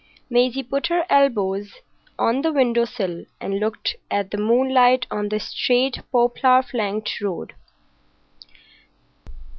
Maisie put her elbows on the window sill and looked at the moonlight on the straight, poplar flanked road.